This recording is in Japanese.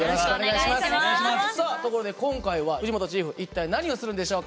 さあところで今回は藤本チーフ一体何をするんでしょうか？